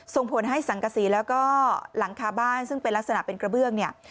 ส่งผลให้สังกษีแล้วก็หลังคาบ้านซึ่งเป็นลักษณะเป็นกระเบื้องเนี่ย